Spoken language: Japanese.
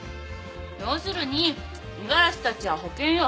要するに五十嵐たちは保険よ。